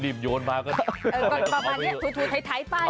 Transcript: รีบโยนมาก็ดี